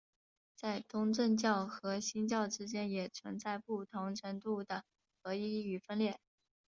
在东正教和新教之间也存在不同程度的合一与分裂。